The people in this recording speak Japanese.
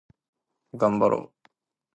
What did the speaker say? がんばろう